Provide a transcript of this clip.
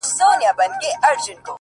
گرانه دا اوس ستا د ځوانۍ په خاطر؛